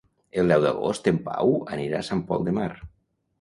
El deu d'agost en Pau anirà a Sant Pol de Mar.